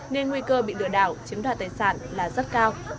nên nguy cơ bị lừa đảo chiếm đoạt tài sản là rất cao